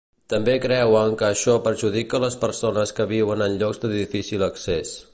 També creuen que això perjudica les persones que viuen en llocs de difícil accés.